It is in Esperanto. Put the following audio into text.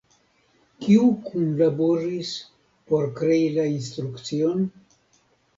Kiu kunlaboris por krei la instrukcion?